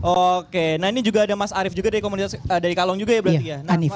oke nah ini juga ada mas arief juga dari komunitas dari kalong juga ya berarti ya